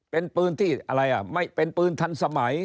เป็นปืนที่อะไรอ่ะไม่เป็นปืนทันสมัย